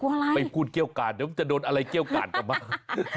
กลัวอะไรไปพูดเก่าหลงก็จะโดนอะไรเก่าหลง